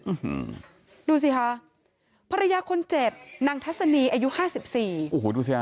อืมดูสิคะภรรยาคนเจ็บนางทัศนีอายุห้าสิบสี่โอ้โหดูสิฮะ